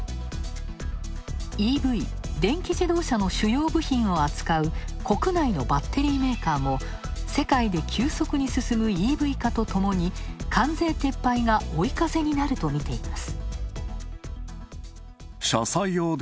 ＥＶ＝電気自動車の主要部品を扱う国内のバッテリーメーカーも世界で急速に進むＥＶ化とともに関税撤廃が追い風になるとみています。